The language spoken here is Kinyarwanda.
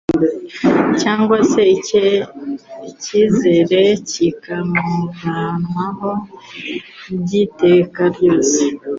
cyangwa se icyizere kikamuvanwaho by'iteka rose.